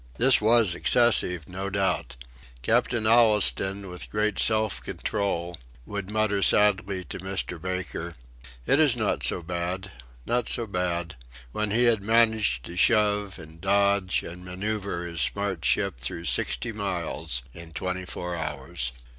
This was excessive, no doubt. Captain Allistoun, with great self control, would mutter sadly to Mr. Baker: "It is not so bad not so bad," when he had managed to shove, and dodge, and manoeuvre his smart ship through sixty miles in twenty four hours.